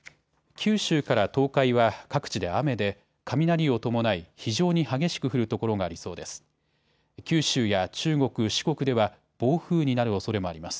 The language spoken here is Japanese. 九州から東海は各地で雨で雷を伴い、非常に激しく降る所がありそうです。